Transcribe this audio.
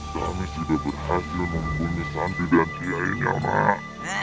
kami sudah berhasil membunuh santi dan siainya mak